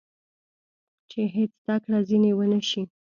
چې هېڅ زده کړه ځینې ونه شي.